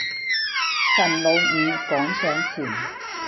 陳老五趕上前，